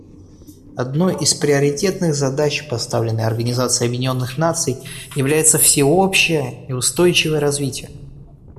Одной из приоритетных задач, поставленных Организацией Объединенных Наций, является всеобщее и устойчивое развитие.